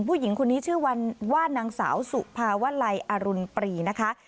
ผู้หญิงคนนี้ชื่อว่านางสาวสุภาวลัยอรุณปรีนะคะ